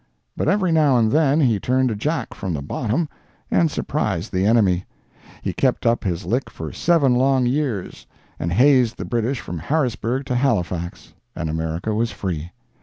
But every now and then he turned a jack from the bottom and surprised the enemy. He kept up his lick for seven long years, and hazed the British from Harrisburg to Halifax—and America was free!